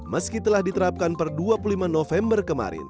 meski telah diterapkan per dua puluh lima november kemarin